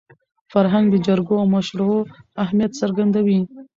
فرهنګ د جرګو او مشورو اهمیت څرګندوي.